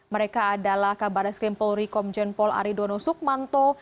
mereka adalah kabar srimpolri komjen paul aridono sukmanto